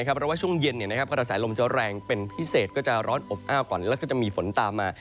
เพราะว่าช่วงเย็นกระแสลมจะแรงเป็นพิเศษก็จะร้อนอบอ้าวก่อนแล้วก็จะมีฝนตามมา